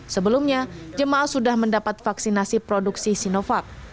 sebelumnya jemaah sudah mendapat vaksinasi produksi sinovac